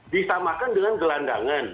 disamakan dengan gelandangan